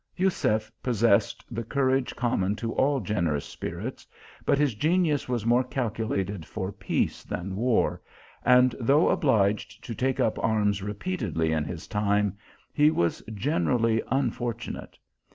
Jusef possessed the courage common to all gener ous spirits, but his genius was more calculated for peace than war, and, though obliged to take up arms repeatedly in his time, he was generally un fortunate.